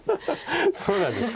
そうなんですか。